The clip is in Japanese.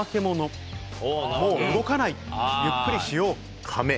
もう動かないゆっくりしよう。